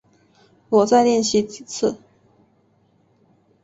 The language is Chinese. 我再练习几次